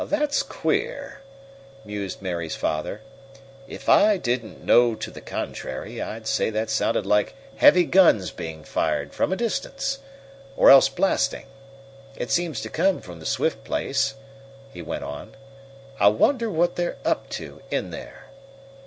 "That's queer," mused Mary's father. "If I didn't know to the contrary, I'd say that sounded like heavy guns being fired from a distance, or else blasting. It seems to come from the Swift place," he went on. "I wonder what they're up to in there."